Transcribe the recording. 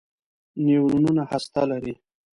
نیورونونه هسته لري.